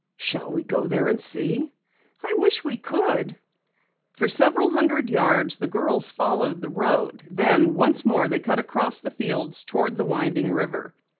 "Shall we go there and see?" "I wish we could." For several hundred yards the girls followed the road, then once more they cut across the fields toward the winding river.